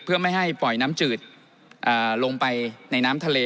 เพื่อไม่ให้ปล่อยน้ำจืดลงไปในน้ำทะเล